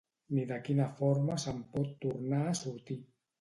Ni de quina forma se'n pot tornar a sortir.